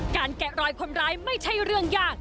แกะรอยคนร้ายไม่ใช่เรื่องยาก